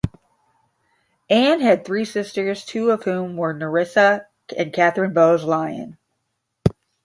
Anne had three sisters, two of whom were Nerissa and Katherine Bowes-Lyon.